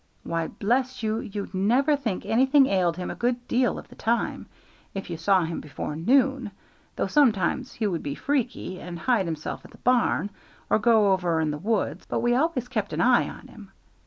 Why, bless you, you never'd think anything ailed him a good deal of the time, if you saw him before noon, though sometimes he would be freaky, and hide himself in the barn, or go over in the woods, but we always kept an eye on him.